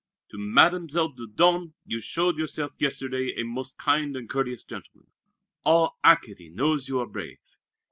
To Mademoiselle Dieudonné you showed yourself yesterday a most kind and courteous gentleman. All Acadie knows you are brave.